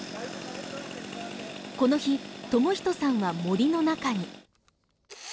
この日智仁さんは森の中に。